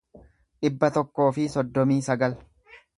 dhibba tokkoo fi soddomii sagal